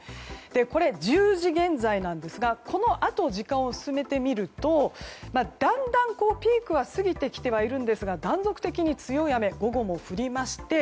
これ、１０時現在なんですがこのあと、時間を進めてみるとだんだんピークは過ぎてはいますが断続的に強い雨午後も降りまして